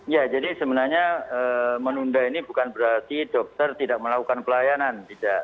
ya jadi sebenarnya menunda ini bukan berarti dokter tidak melakukan pelayanan tidak